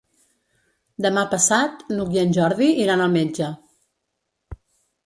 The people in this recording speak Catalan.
Demà passat n'Hug i en Jordi iran al metge.